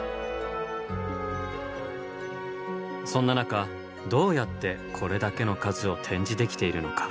そんな中どうやってこれだけの数を展示できているのか。